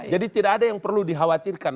jadi tidak ada yang perlu dikhawatirkan